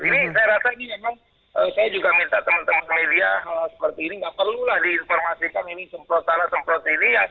ini saya rasa ini memang saya juga minta teman teman media seperti ini nggak perlulah diinformasikan ini semprotan semprot ini